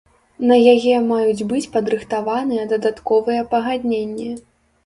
На яе маюць быць падрыхтаваныя дадатковыя пагадненні.